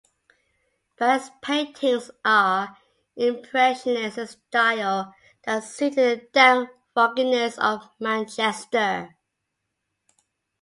Valette's paintings are Impressionist, a style that suited the damp fogginess of Manchester.